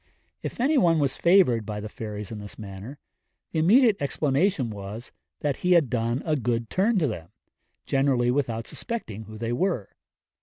If any one was favoured by the fairies in this manner, the immediate explanation was, that he had done a good turn to them, generally without suspecting who they were.